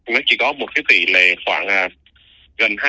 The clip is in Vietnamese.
nó chỉ có một cái tỷ lệ tỏa gần hai mươi